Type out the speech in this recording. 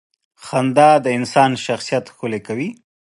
• خندا د انسان شخصیت ښکلې کوي.